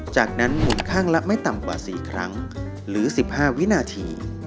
จากนั้นหมุนข้างละไม่ต่ำกว่า๔ครั้งหรือ๑๕วินาที